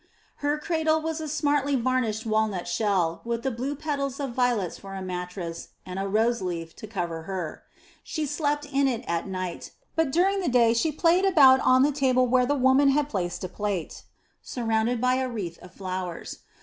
Her cradle was a smartly varnished walnut shell, with the blue petals of violets for a mattress and a rose leaf to cover her. She slept in it at night, but 414 UP ONE PAIR OF STAIRS during the day she played about on the table where the woman had placed a plate, surrounded by a wreath of flowers.